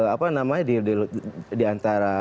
apa namanya diantara